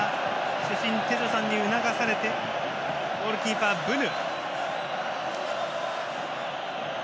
主審のテジョさんに促されてゴールキーパー、ブヌ。